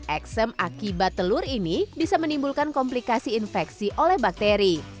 eksem akibat telur ini bisa menimbulkan komplikasi infeksi oleh bakteri